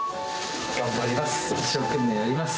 頑張ります。